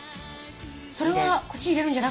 それはこっち入れるんじゃなくて。